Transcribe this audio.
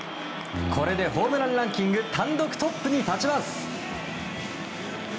これで、ホームランランキング単独トップに立ちます。